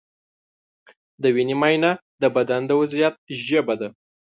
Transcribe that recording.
د وینې معاینه د بدن د وضعیت ژبه ده.